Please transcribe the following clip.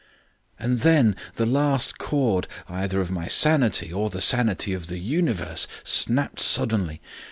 And then the last cord, either of my sanity or the sanity of the universe, snapped suddenly.